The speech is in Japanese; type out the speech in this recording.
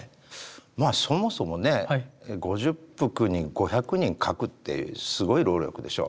まあそもそもね５０幅に５００人描くってすごい労力でしょう。